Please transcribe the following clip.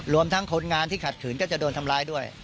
ทั้งคนงานที่ขัดขืนก็จะโดนทำร้ายด้วย